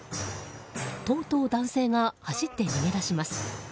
とうとう男性が走って逃げ出します。